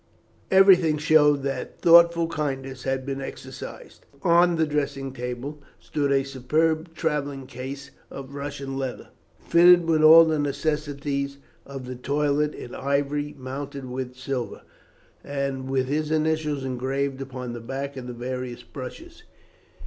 Everything showed that thoughtful kindness had been exercised. On the dressing table stood a superb travelling case of Russian leather, fitted with all necessaries of the toilet in ivory, mounted with silver, and with his initials engraved upon the back of the various brushes.